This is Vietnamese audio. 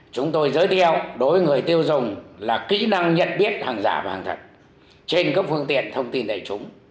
chúng tôi giới đeo đối với người tiêu dùng là kỹ năng nhận biết hàng giả và hàng thật trên các phương tiện thông tin đại chúng